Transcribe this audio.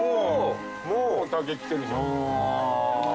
もう竹来てるじゃん。